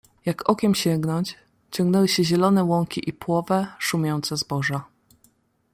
"Jak okiem sięgnąć, ciągnęły się zielone łąki i płowe, szumiące zboża."